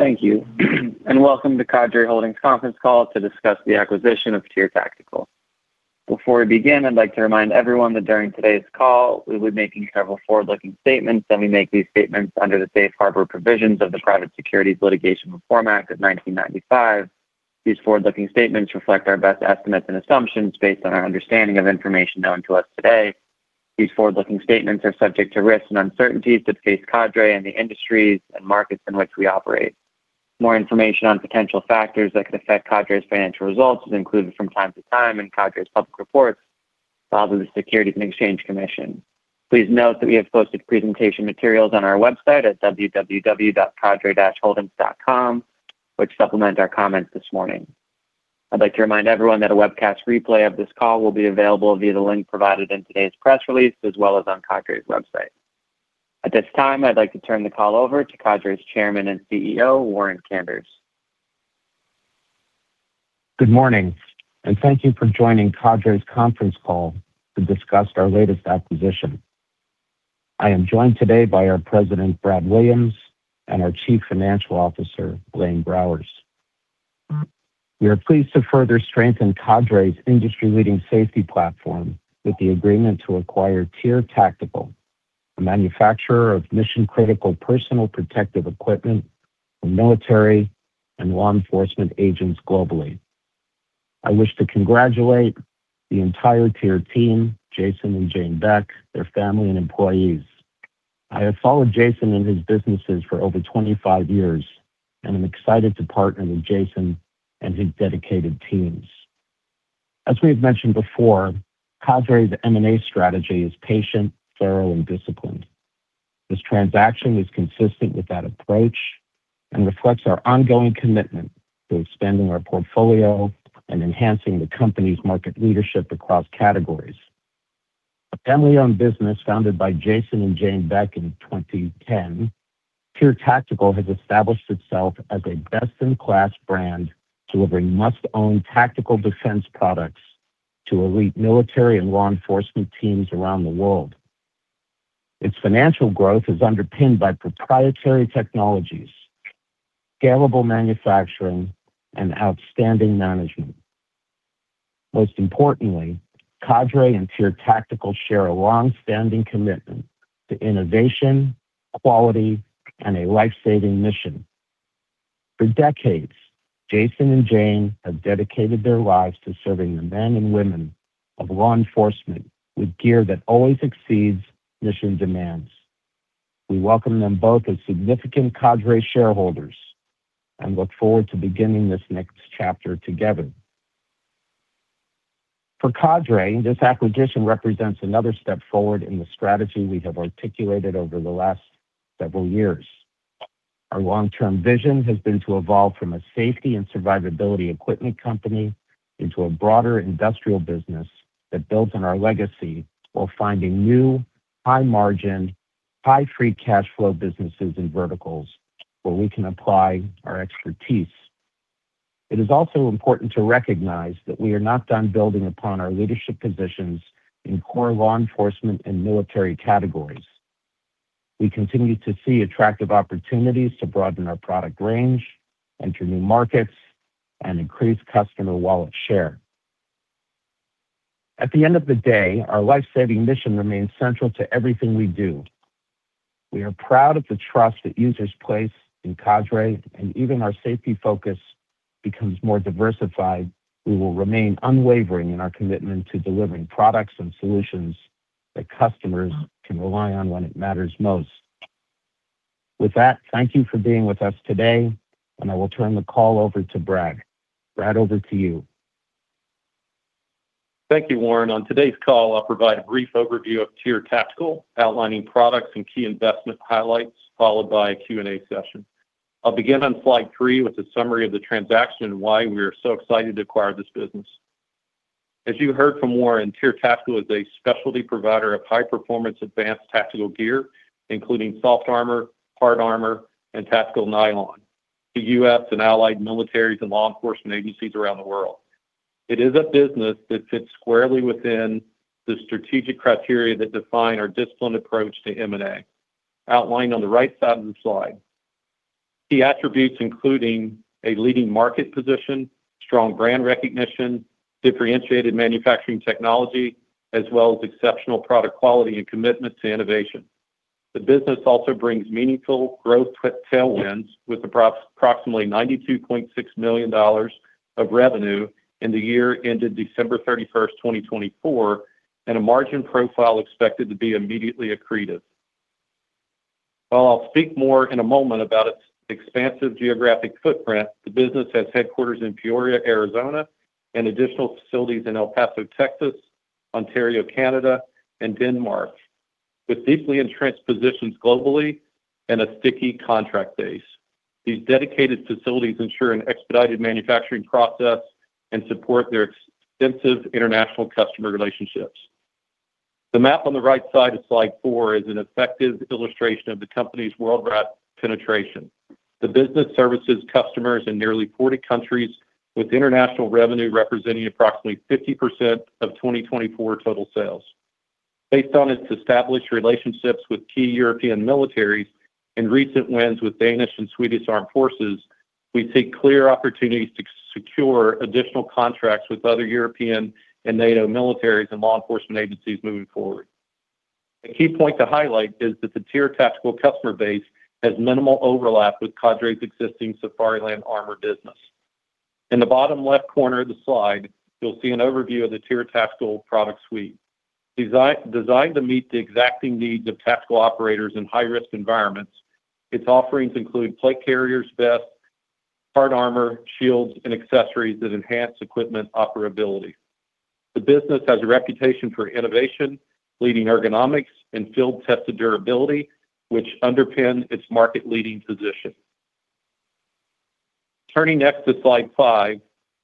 Thank you and welcome to Cadre Holdings Conference call to discuss the acquisition of TYR Tactical. Before we begin, I'd like to remind everyone that during today's call we will be making several forward-looking statements and we make these statements under the safe harbor provisions of the Private Securities Litigation Reform Act of 1995. These forward-looking statements reflect our best estimates and assumptions based on our understanding of information known to us today. These forward-looking statements are subject to risks and uncertainties that face Cadre and the industries and markets in which we operate. More information on potential factors that could affect Cadre's financial results is included from time to time in Cadre's public reports filed with the Securities and Exchange Commission. Please note that we have posted presentation materials on our website at www.cadre.holdings.com which supplement our comments this morning. I'd like to remind everyone that a webcast replay of this call will be available via the link provided in today's press release as well as on Cadre's website. At this time I'd like to turn the call over to Cadre's Chairman and CEO Warren Kanders. Good morning and thank you for joining Cadre's conference call to discuss our latest acquisition. I am joined today by our President Brad Williams and our Chief Financial Officer Blaine Browers. We are pleased to further strengthen Cadre's industry-leading safety platform with the agreement to acquire TYR Tactical, a manufacturer of mission-critical personal protective equipment, military and law enforcement agents globally. I wish to congratulate the entire TYR team, Jason and Jane Beck, their family and employees. I have followed Jason and his businesses for over 25 years and I'm excited to partner with Jason and his dedicated teams. As we have mentioned before, Cadre's M&A strategy is patient, thorough and disciplined. This transaction is consistent with that approach and reflects our ongoing commitment to expanding our portfolio and enhancing the company's market leadership across categories. A family-owned business founded by Jason and Jane Beck in 2010, TYR Tactical has established itself as a best-in-class brand delivering must-own tactical defense products to elite military and law enforcement teams around the world. Its financial growth is underpinned by proprietary technologies, scalable manufacturing and outstanding management. Most importantly, Cadre and TYR Tactical share a long-standing commitment to innovation, quality and a life-saving mission. For decades, Jason and Jane have dedicated their lives to serving the men and women of law enforcement with gear that always exceeds mission demands. We welcome them both as significant Cadre shareholders and look forward to beginning this next chapter together. For Cadre, this acquisition represents another step forward in the strategy we have articulated over the last several years. Our long-term vision has been to evolve from a safety and survivability equipment company into a broader industrial business that builds on our legacy while finding new high-margin, high free cash flow businesses and verticals where we can apply our expertise. It is also important to recognize that we are not done building upon our leadership positions in core law enforcement and military categories. We continue to see attractive opportunities to broaden our product range, enter new markets and increase customer wallet share. At the end of the day, our life-saving mission remains central to everything we do. We are proud of the trust that users place in Cadre and even as our safety focus becomes more diversified, we will remain unwavering in our commitment to delivering products and solutions that customers can rely on when it matters most. With that, thank you for being with us today and I will turn the call over to Brad. Brad, over to you. Thank you, Warren. On today's call, I'll provide a brief overview of TYR Tactical, outlining products and key investment highlights followed by a Q&A session. I'll begin on slide three with a summary of the transaction and why we are so excited to acquire this business. As you heard from Warren, TYR Tactical is a specialty provider of high performance advanced tactical gear including soft armor, hard armor, and tactical nylon to the U.S. and allied militaries and law enforcement agencies around the world. It is a business that fits squarely within the strategic criteria that define our disciplined approach to M&A. Outlined on the right side of the slide are key attributes including a leading market position, strong brand recognition, differentiated manufacturing technology, as well as exceptional product quality and commitment to innovation. The business also brings meaningful growth tailwinds. With approximately $92.6 million of revenue in the year ended December 31st, 2024, and a margin profile expected to be immediately accretive. While I'll speak more in a moment about its expansive geographic footprint, the business has headquarters in Peoria, Arizona, and additional facilities in El Paso, Texas, Ontario, Canada, and Denmark. With deeply entrenched positions globally and a sticky contract base, these dedicated facilities ensure an expedited manufacturing process and support their. Extensive international customer relationships. The map on the right side of slide four is an effective illustration of the company's worldwide penetration. The business services customers in nearly 40 countries with international revenue representing approximately 50% of 2024 total sales. Based on its established relationships with key European militaries and recent wins with Danish and Swedish Armed Forces, we see clear opportunities to secure additional contracts with other European and NATO militaries and law enforcement agencies moving forward. A key point to highlight is that the TYR Tactical customer base has minimal overlap with Cadre's existing Safariland Armor business. In the bottom left corner of the slide you'll see an overview of the TYR Tactical product suite designed to meet the exacting needs of tactical operators in high risk environments. Its offerings include plate carriers, vests, hard armor, shields, and accessories that enhance equipment operability. The business has a reputation for innovation, leading ergonomics, and field-tested durability which underpin its market leading position. Turning next to slide five,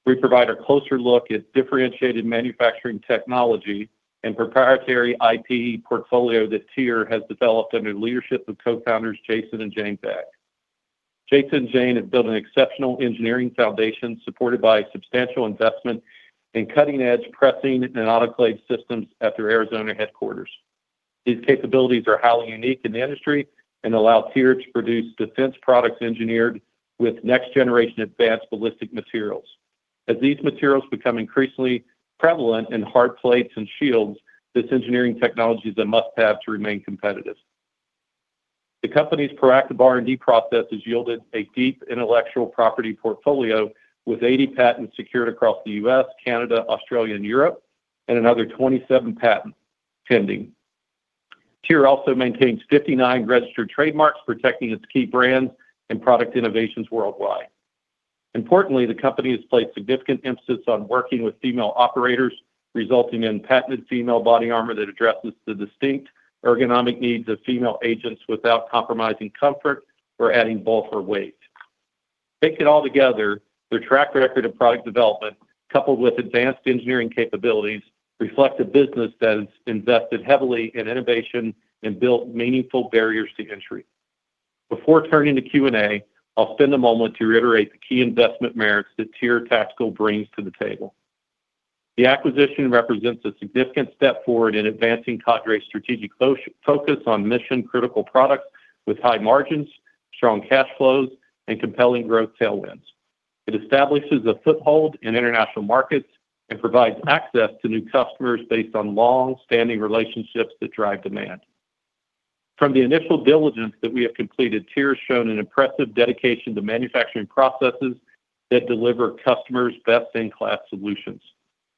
we provide a closer look at differentiated manufacturing technology and proprietary IP portfolio that TYR has developed under the leadership of Co-founders Jason and Jane Beck. Jason and Jane have built an exceptional engineering foundation supported by substantial investment in cutting-edge pressing and autoclave systems at their Arizona headquarters. These capabilities are highly unique in the industry and allow TYR to produce defense products engineered with next-generation advanced ballistic materials. As these materials become increasingly prevalent in hard plates and shields, this engineering technology is a must have to remain competitive. The company's proactive R&D process has yielded a deep intellectual property portfolio with 80 patents secured across the U.S., Canada, Australia, and Europe and another 27 patents pending. TYR also maintains 59 registered trademarks protecting its key brands and product innovations worldwide. Importantly, the company has placed significant emphasis on working with female operators, resulting in patented female body armor that addresses the distinct ergonomic needs of female agents without compromising comfort or adding bulk or weight. Taken all together, their track record of product development coupled with advanced engineering capabilities reflect a business that has invested heavily in innovation and built meaningful barriers to entry. Before turning to Q&A, I'll spend a moment to reiterate the key investment merits that TYR Tactical brings to the table. The acquisition represents a significant step forward in advancing Cadre's strategic focus on mission-critical products. With high margins, strong cash flows, and compelling growth tailwinds, it establishes a foothold in international markets and provides access to new customers based on long-standing relationships that drive demand. From the initial diligence that we have completed, TYR has shown an impressive dedication to manufacturing processes that deliver customers best-in-class solutions.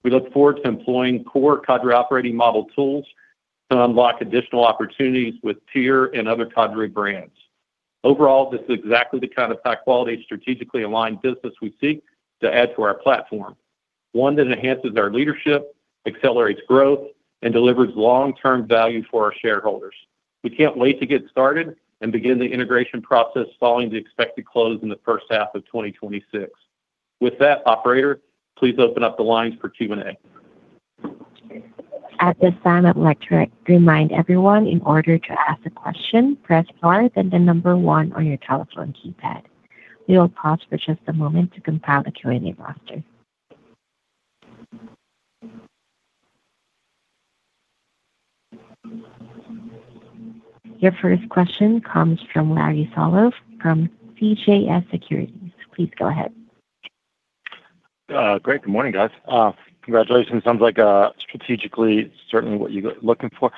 We look forward to employing core Cadre operating model tools to unlock additional opportunities with TYR and other Cadre brands. Overall, this is exactly the kind of high-quality, strategically aligned business we seek to add to our platform, one that enhances our leadership, accelerates growth, and delivers long-term value for our shareholders. We can't wait to get started and begin the integration process following the expected close in the first half of 2026. With that, operator, please open up the lines for Q&A. At this time, I'd like to remind everyone, in order to ask a question, press star, then the number one on your telephone keypad. We will pause for just a moment to compile the Q&A roster. Your first question comes from Larry Solow from CJS Securities. Please go ahead. Great. Good morning, guys. Congratulations. Sounds like strategically certainly what you're looking for.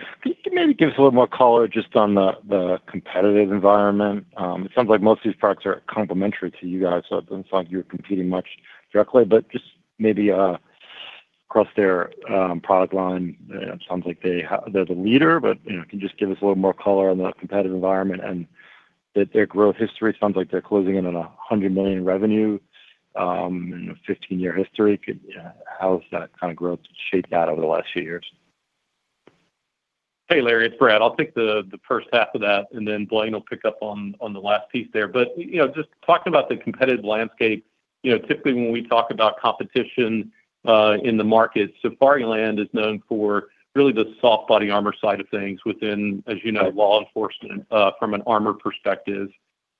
Maybe give us a little more color just on the competitive environment. It sounds like most of these products are complementary to you guys, Doesn't sound like you're competing much directly maybe across their product line. Sounds like they're the leader. Can you just give us a little more color on the competitive environment. Their growth history sounds like they're closing in on $100 million revenue in a 15-year history. How has that kind of growth shaped that over the last few years? Hey Larry, it's Brad. I'll take the first half of that and then Blaine will pick up on the last piece there. Just talking about the competitive landscape, typically when we talk about competition in the market, Safariland is known for really the soft body armor side of things within, as you know, law enforcement. From an armor perspective,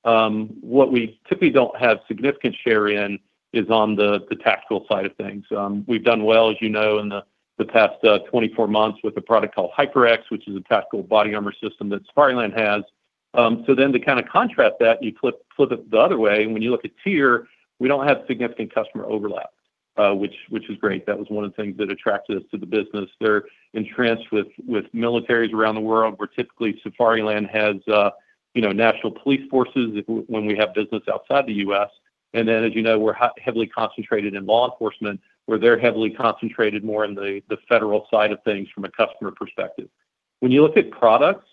what we typically don't have significant share in is on the tactical side of things. We've done well, as you know, in the past 24 months with a product called HyperX, which is a tactical body armor system that Safariland has. To kind of contrast that, you flip it the other way. When you look at TYR, we don't have significant customer overlap, which is great. That was one of the things that attracted us to the business. They're entrenched with militaries around the world, where typically Safariland has national police forces. When we have business outside the U.S. and as you know, we're heavily concentrated in law enforcement, they're heavily concentrated more in the federal side of things. From a customer perspective, when you look at products,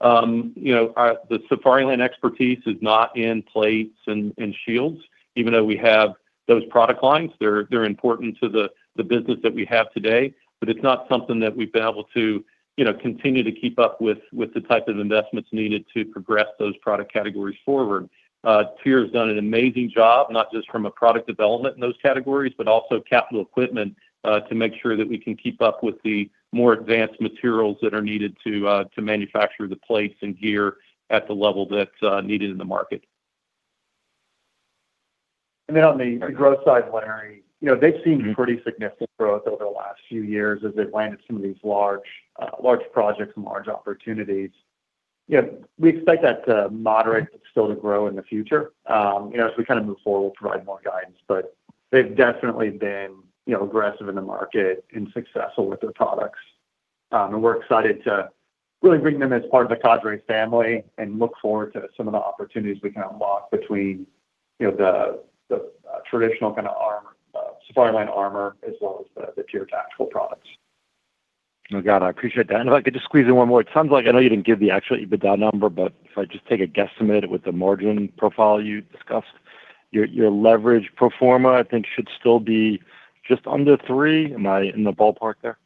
the Safariland expertise is not in plates and shields. Even though we have those product lines, they're important to the business that we have today. It's not something that we've been able to continue to keep up with the type of investments needed to progress those product categories forward. TYR has done an amazing job, not just from a product development in those categories, but also capital equipment to make sure that we can keep up with the more advanced materials that are needed to manufacture the plates and gear at the level that's needed in the market. On the growth side, Larry, they've seen pretty significant growth over the last few years as they've landed some of these large, large projects and large opportunities. We expect that to moderate but still to grow in the future. As we move forward, we'll provide more guidance. They've definitely been aggressive in the market and successful with their products, and we're excited to really bring them as part of the Cadre family and look forward to some of the opportunities we can unlock between the traditional kind of armor supply line as well as the pure tactical products. I appreciate that. If I could just squeeze in one more, it sounds like, I know you didn't give the actual EBITDA number, but if I just take a guesstimate with the margin profile you discussed, your leverage, pro forma, I think should still be just under 3. Am I in the ballpark there?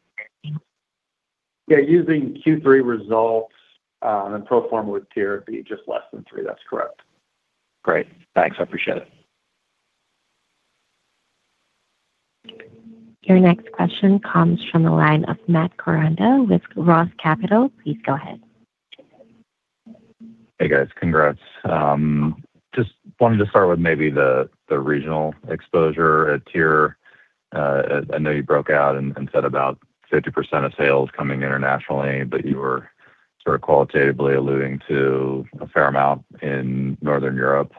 Yeah. Using Q3 results and pro forma, would Tier be just less than 3? That's correct. Great, thanks. I appreciate it. Your next question comes from the line of Matt Koranda with ROTH Capital. Please go ahead. Hey guys, congrats. Just wanted to start with maybe the regional exposure at TYR. I know you broke out and said about 50% of sales coming internationally, but you were sort of qualitatively alluding to a fair amount in Northern Europe.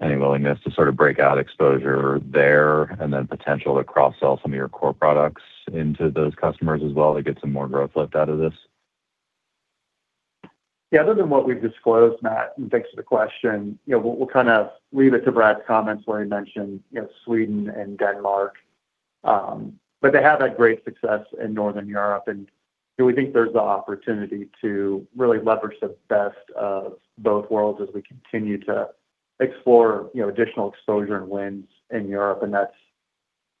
Any willingness to sort of break out exposure there, and then potential to cross-sell some of your core products into those customers as well to get some more growth lift out of this? Other than what we've disclosed, Matt, and thanks for the question. We'll kind of leave it to Brad's comments where he mentioned Sweden and Denmark, but they have had great success in Northern Europe and we think there's the opportunity to really leverage the best of both worlds as we continue to explore additional exposure and wins in Europe.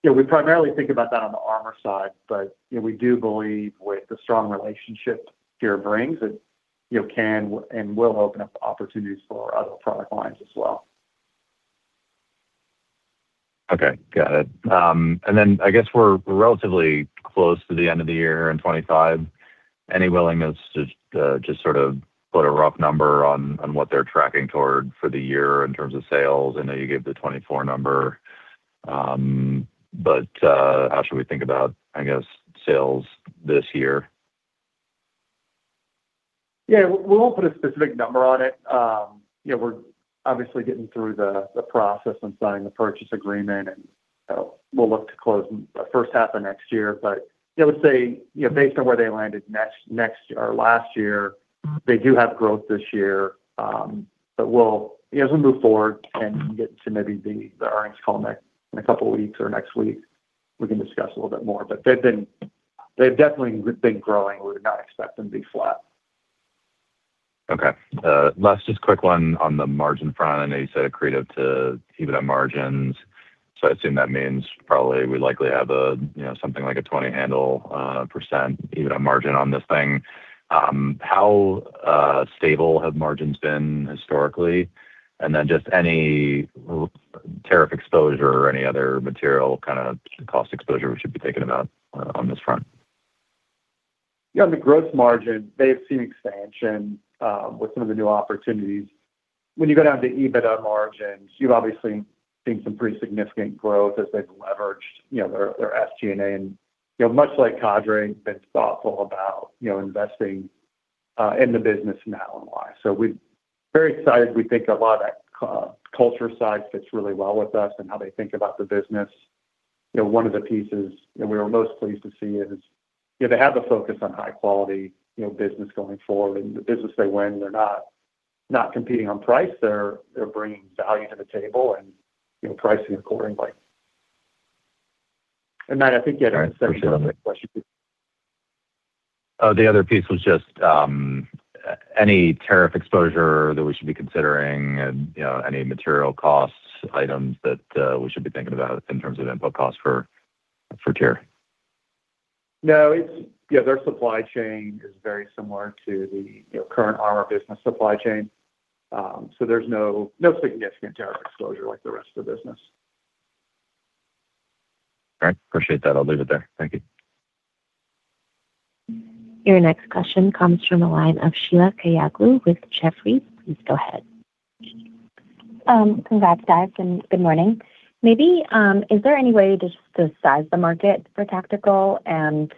We primarily think about that on the armor side but we do believe with the strong relationship here brings, it can and will open up opportunities for other product lines as well. Okay, got it. And then I guess we are relatively close to the end of the year in 2025. Any willingness to just sort of put a rough number on what they are tracking towards for the year in terms of sales? I know you gave the 2024 number. But how should we think about, I guess, sales this year? Yeah, we won't put a specific number on it. You know, we're obviously getting through the process and signing the purchase agreement, and we'll look to close the first half of next year. Based on where they landed next or last year, they do have growth this year. As we move forward and get to maybe the earnings call in a couple of weeks or next week, we can discuss a little bit more. They've definitely been growing. We would not expect them to be flat. Okay, last, just quick one on the margin front. I know you said accretive to EBITDA margins, so I assume that means probably we likely have something like a 20% handle EBITDA margin on this thing. How stable have margins been historically, and then just any tariff exposure or any other material kind of cost exposure we should be thinking about on this front? Yeah, on the gross margin they have seen expansion with some of the new opportunities. When you go down to EBITDA margins, you've obviously seen some pretty significant growth as they've leveraged their SG&A. Much like Cadre, Vince is thoughtful about investing in the business now and why. We are very excited. We think a lot of that culture side fits really well with us and how they think about the business. One of the pieces we were most pleased to see is they have a focus on high quality business going forward and the business they win. They're not competing on price, they're bringing value to the table and pricing accordingly. And Matt, I think you had a second question. The other piece was just any tariff exposure that we should be considering, and any material cost items that we should be thinking about in terms of input costs for TYR? No, it's. Yeah, their supply chain is very similar to the current armor business supply chain, so there's no significant tariff exposure like the rest of the business. Appreciate that. I'll leave it there. Thank you. Your next question comes from the line of Sheila Kahyaoglu with Jefferies. Please go ahead. Congrats guys and good morning. Maybe is there any way to size the market for tactical and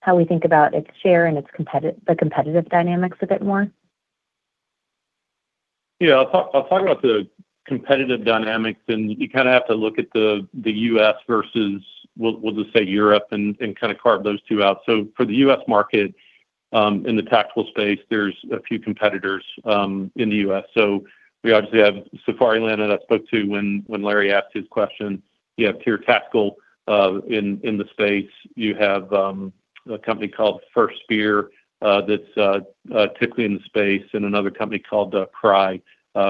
how we think about its share and its competitive, the competitive dynamics a bit more? Yeah, I'll talk about the competitive dynamics and you kind of have to look at the U.S. versus, we'll just say, Europe and kind of carve those two out. For the U.S. market in the tactical space, there's a few competitors in the U.S. We obviously have Safariland that I spoke to when Larry asked his question. You have TYR Tactical in the space. You have a company called FirstSpear that's typically in the space and another company called Crye,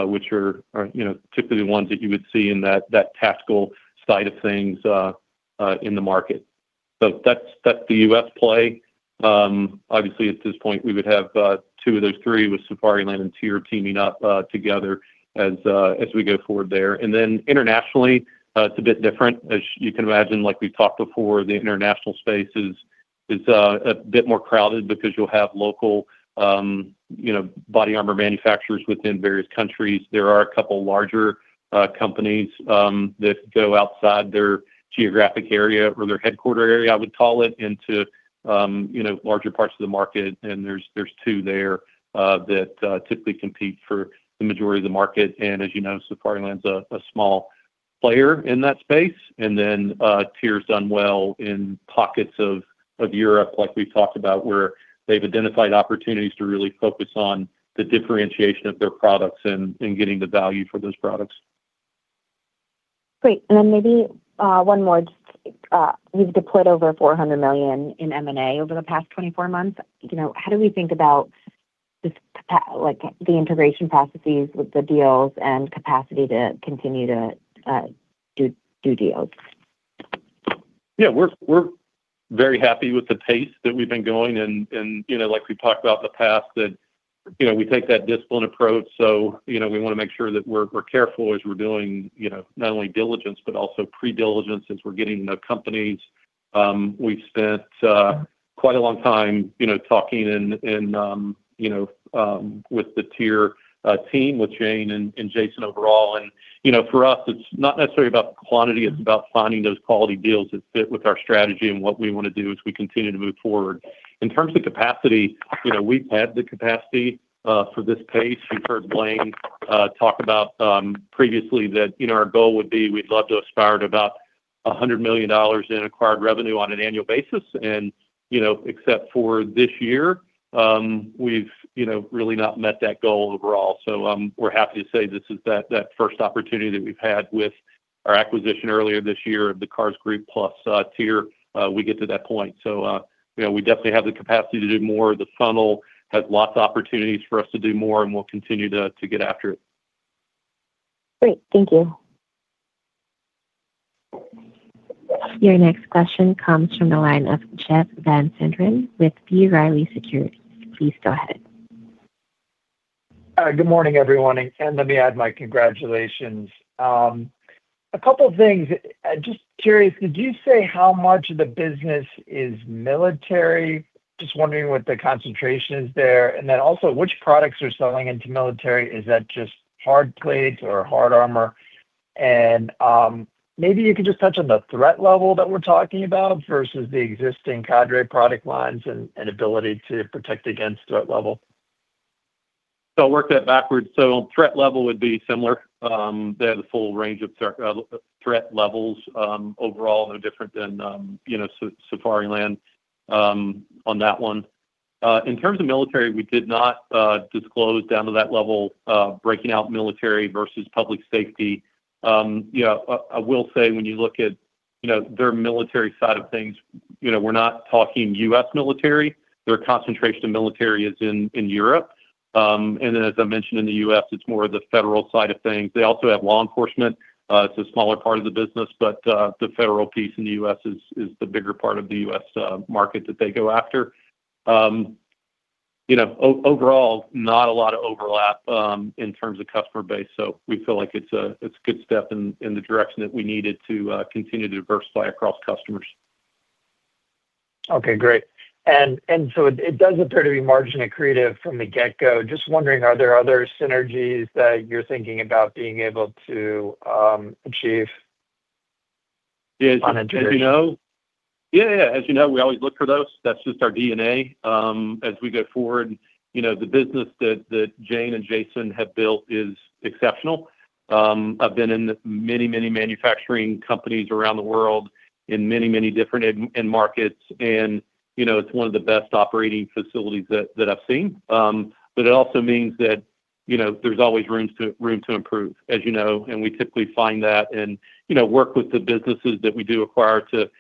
which are particularly the ones that you would see in that tactical side of things in the market. That's the U.S. play. At this point, we would have two of those three with Safariland and TYR teaming up together as we go forward there. Internationally, it's a bit different. As you can imagine, like we talked before, the international space is a bit more crowded because you'll have local body armor manufacturers within various countries. There are a couple larger companies that go outside their geographic area or their headquarter area, I would call it, into larger parts of the market. There's two there that typically compete for the majority of the market. As you know, Safariland's a small player in that space. TYR's done well in pockets of Europe, like we talked about, where they've identified opportunities to really focus on the differentiation of their products and getting the value for those products. Great. Maybe one more. We've deployed over $400 million in M&A over the past 24 months. How do we think about this, like the integration processes with the deals and capacity to continue to do deal? Yeah, we're very happy with the pace that we've been going and, you know, like we've talked about in the past, we take that disciplined approach. We want to make sure that we're careful as we're doing not only diligence, but also pre-diligence since we're getting the companies. We've spent quite a long time talking with the TYR team, with Jane and Jason overall. For us, it's not necessarily about quantity. It's about finding those quality deals, deals that fit with our strategy and what we want to do as we continue to move forward in terms of capacity. We've had the capacity for this pace. You've heard Blaine talk about previously that our goal would be, we'd love to aspire to about $100 million in acquired revenue on an annual basis. Except for this year, we've really not met that goal overall. We're happy to say this is that first opportunity that we've had with our acquisition earlier this year of the Carr's Group plus TYR. We get to that point, so we definitely have the capacity to do more. The funnel has lots of opportunities for us to do more and we'll continue to get after it. Great, thank you. Your next question comes from the line of Jeff Van Sinderen with B. Riley Securities. Please go ahead. Good morning, everyone. Let me add my congratulations. A couple things. Just curious. Did you say how much of the business is military? Just wondering what the concentration is there. Also, which products are selling into military? Is that just hard plates or hard armor? Maybe you could just touch on the threat level that we're talking about versus the existing Cadre product lines and ability to protect against threat level. I'll work that backwards. Threat level would be similar. They have the full range of threat levels overall, no different than, you know, Safariland on that one. In terms of military, we did not disclose down to that level, breaking out military versus public safety. I will say when you look at, you know, their military side of things, we're not talking U.S. Military. Their concentration of military is in Europe. As I mentioned, in the U.S. it's more of the federal side of things. They also have law enforcement. It's a smaller part of the business, but the federal piece in the U.S. is the bigger part of the U.S. market that they go after. Overall, not a lot of overlap in terms of customer base. We feel like it's a good step in the direction that we needed to continue to diversify across customers. Okay, great. It does appear to be margin accretive from the get go. Just wondering, are there other synergies that you're thinking about being able to achieve? Yeah, yeah. As you know, we always look for those. That's just our DNA as we go forward. The business that Jane and Jason have built is exceptional. I've been in many, many manufacturing companies around the world in many, many different end markets. It's one of the best operating facilities that I've seen. It also means that there's always room to improve, as you know, and we typically find that and work with the businesses that we do acquire to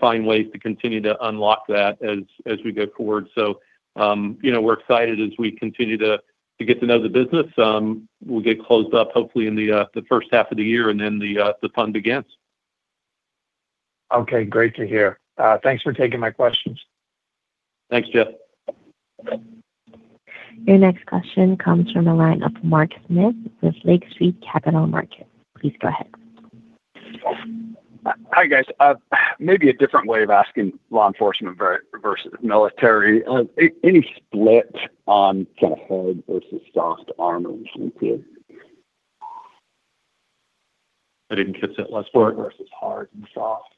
find ways to continue to unlock that as we go forward. We're excited as we continue to get to know the business. We'll get closed up hopefully in the first half of the year and then the fun begins. Okay, great to hear. Thanks for taking my questions. Thanks, Jeff. Your next question comes from a line of Mark Smith with Lake Street Capital Markets. Please go ahead. Hi, guys. Maybe a different way of asking law enforcement versus military. Any split on kind of hard versus soft armor? I didn't catch the last part. Versus hard and soft?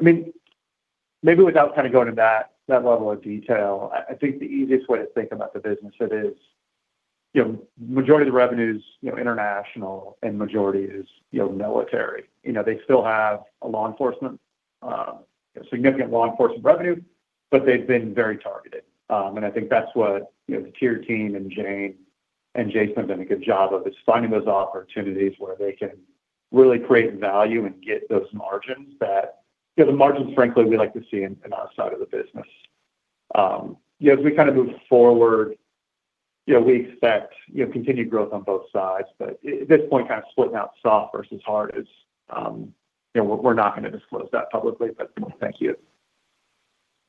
Maybe without going to that level of detail, I think the easiest way to think about the business is, you know, majority of the revenues are international and majority is military. They still have significant law enforcement revenue, but they've been very targeted. I think that's what the TYR team and Jane and Jason have done a good job of. It's finding those opportunities where they can really create value and get those margins that, frankly, we like to see in our side of the business. As we move forward, we expect continued growth on both sides. At this point, splitting out soft versus hard is not something we're going to disclose publicly, but thank you.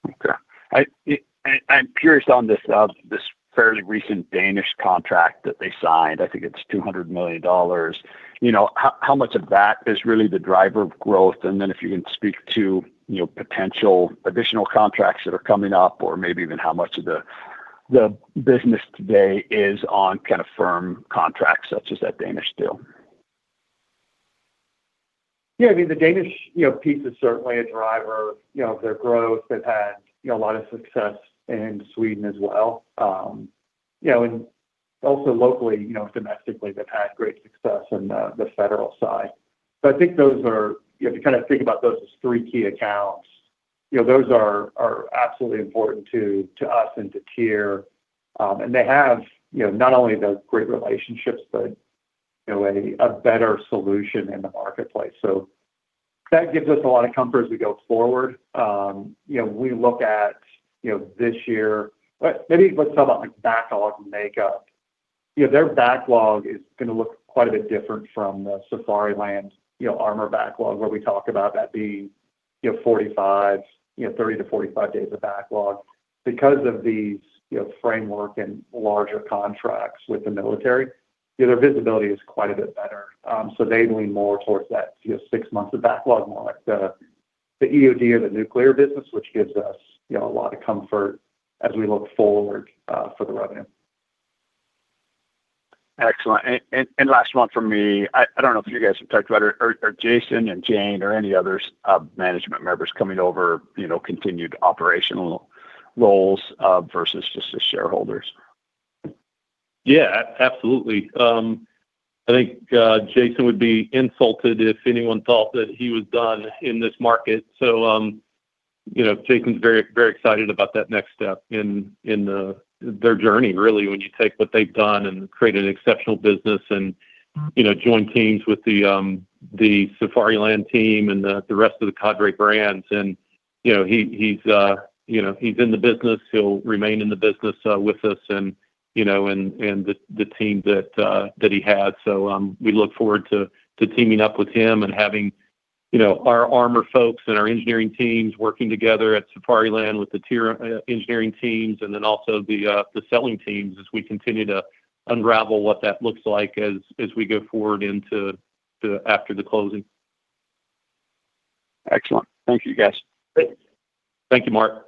Okay. I'm curious on this fairly recent Danish contract that they signed, I think it's $200 million, you know, how much of that is really the driver of growth? If you can speak to potential additional contracts that are coming up or maybe even how much of the business today is on kind of firm contracts such as that Danish deal. The Danish piece is certainly a driver of their growth. They've had a lot of success in Sweden as well and also locally domestically. They've had great success in the federal side. I think those are, if you kind of think about those as three key accounts, those are absolutely important to us and to TYR, and they have not only the great relationships, but a better solution in the marketplace. That gives us a lot of comfort as we go forward, we look at this year. Maybe let's talk about the backlog makeup. Their backlog is going to look quite a bit different from the Safariland Armor backlog where we talk about that being 30 to 45 days of backlog. Because of these framework and larger contracts with the military, their visibility is quite a bit better. They lean more towards that six months of backlog, more like the EOD or the nuclear business, which gives us a lot of comfort as we look forward for the revenue. Excellent. Last one for me, I don't know if you guys have talked about it or Jason and Jane or any other management members coming over, continued operational roles versus just the shareholders. Yeah, absolutely. I think Jason would be insulted if anyone thought that he was done in this market. Jason's very, very excited about that next step in their journey really. When you take what they've done and create an exceptional business and join teams with the Safariland team and the rest of the Cadre brands, he's in the business, he'll remain in the business with us and the team that he has. We look forward to teaming up with him and having our armor folks and our engineering teams working together at Safariland with the TYR engineering teams and also the selling teams as we continue to unravel what that looks like as we go forward into after the closing. Excellent. Thank you, guys. Thank you, Mark.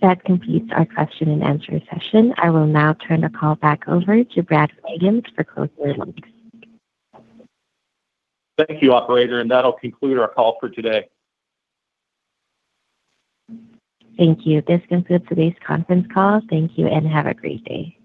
That completes our question-and-answer session. I will now turn the call back over to Brad Williams for closing remarks. Thank you, operator. That will conclude our call for today. Thank you. This concludes today's conference call. Thank you and have a great day.